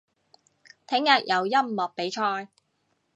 聽日有音樂比賽